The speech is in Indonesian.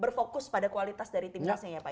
berfokus pada kualitas dari tim nasional ya pak ya